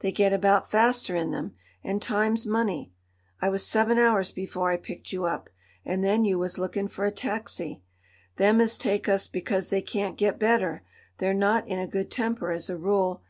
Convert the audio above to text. They get about faster in them, and time's money. I was seven hours before I picked you up. And then you was lookin' for a taxi. Them as take us because they can't get better, they're not in a good temper, as a rule.